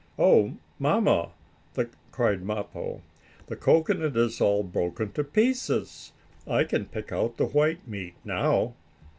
"Oh, Mamma!" cried Mappo. "The cocoanut is all broken to pieces. I can pick out the white meat now.